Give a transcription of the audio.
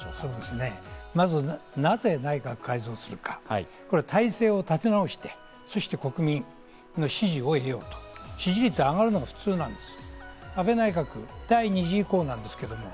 まずなぜ内閣を改造するか、これ体制を立て直して、そして国民の支持を得ようと支持率が上がるのが普通なんです。